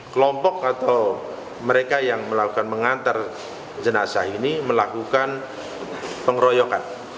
kelompok atau mereka yang melakukan mengantar jenazah ini melakukan pengeroyokan